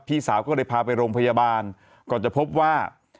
พี่สาวก็เลยพาไปโรงพยาบาลก่อนจะพบว่า